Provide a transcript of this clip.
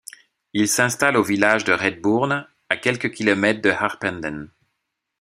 Il s'installe au village de Redbourn, à quelques kilomètre de Harpenden.